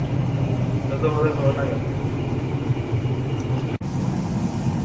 তাদের সম্মান না করে, যতই বড় হও না কেন।